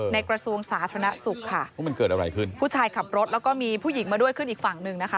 กระทรวงสาธารณสุขค่ะโอ้มันเกิดอะไรขึ้นผู้ชายขับรถแล้วก็มีผู้หญิงมาด้วยขึ้นอีกฝั่งหนึ่งนะคะ